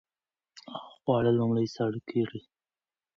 خواړه لومړی ساړه کړئ.